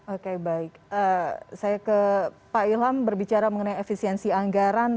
oke baik saya ke pak ilham berbicara mengenai efisiensi anggaran